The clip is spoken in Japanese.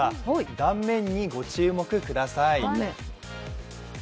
断面にご注目ください。